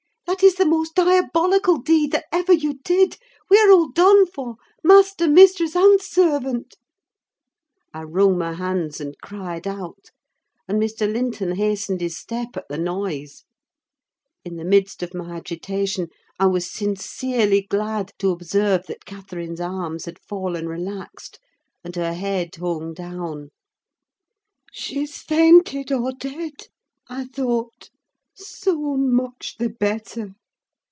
That is the most diabolical deed that ever you did. We are all done for—master, mistress, and servant." I wrung my hands, and cried out; and Mr. Linton hastened his step at the noise. In the midst of my agitation, I was sincerely glad to observe that Catherine's arms had fallen relaxed, and her head hung down. "She's fainted, or dead," I thought: "so much the better.